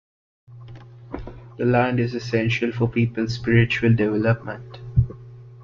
The land is essential for people's spiritual development.